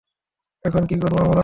এখন কি করবো আমরা?